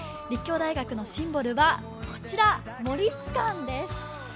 立教大学のシンボルはこちらモリス館です。